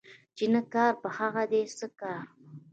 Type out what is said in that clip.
چي نه کار په هغه دي څه کار